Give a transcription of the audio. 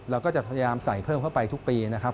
เราก็จะพยายามใส่เพิ่มเข้าไปทุกปีนะครับ